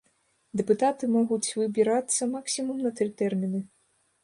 Дэпутаты могуць выбірацца максімум на тры тэрміны.